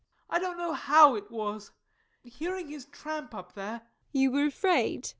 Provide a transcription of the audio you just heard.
_] I don't know how it was hearing his tramp up there MARY. You were afraid? JOE.